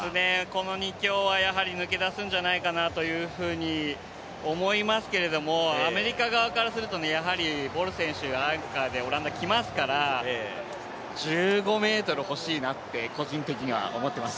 この２強は抜け出すんじゃないかなというふうに思いますがアメリカ側からするとね、やはりボル選手がアンカーでオランダ来ますから１５ｍ欲しいなって思います。